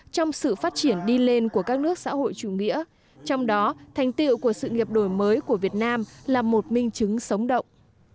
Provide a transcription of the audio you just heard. trong sự phát triển đi lên của các nước xã hội chủ nghĩa trong đó thành tiệu của sự nghiệp đổi mới của việt nam là một minh chứng sống động